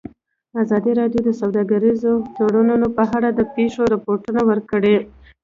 ازادي راډیو د سوداګریز تړونونه په اړه د پېښو رپوټونه ورکړي.